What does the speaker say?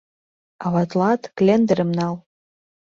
Аватлан клендырым нал.